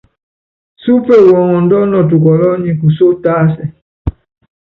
Súpe wɔŋɔndɔ́ nɔtukɔlɔ́ nyi kusó tásɛ.